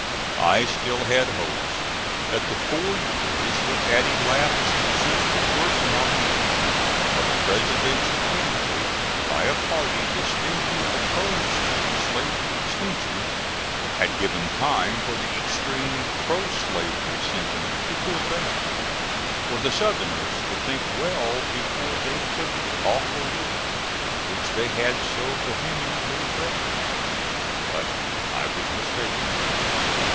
I still had hopes that the four years which had elapsed since the first nomination of a Presidential candidate by a party distinctly opposed to slavery extension, had given time for the extreme pro slavery sentiment to cool down; for the Southerners to think well before they took the awful leap which they had so vehemently threatened. But I was mistaken.